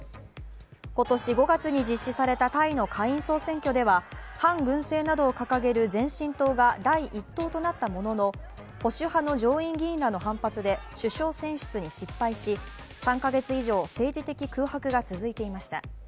今年５月に実施されたタイの下院総選挙では反軍政などを掲げる前進党が第１党となったものの保守派の上院議員らの反発で首相選出に失敗し３か月以上、政治的空白が続いていました。